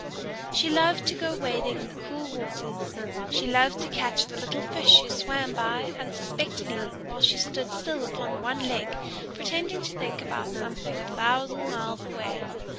She loved to go wading in the cool waters; she loved to catch the little fish who swam by unsuspectingly while she stood still upon one leg pretending to think about something a thousand miles away.